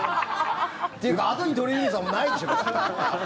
っていうかあとに鳥海さんもないでしょ。